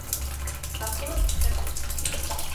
札幌市北区